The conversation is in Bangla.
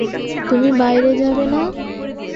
তুমি বাইরে যাবে না?